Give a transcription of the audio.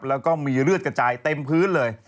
แล้วก็มีเลือดกระจายเต็มพื้นเลย